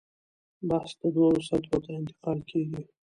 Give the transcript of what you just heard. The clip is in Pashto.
بحث دوو سطحو ته انتقال کېږي.